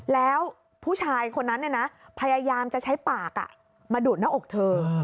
แล้วผู้ชายคนนั้นพยายามจะใช้ปากมาดูดหน้าอกเธอ